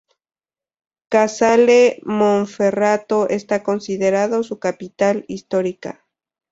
Casale Monferrato está considerado su capital histórica.